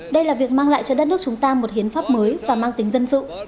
đây là việc mang lại cho đất nước chúng ta một hiến pháp mới và mang tính dân sự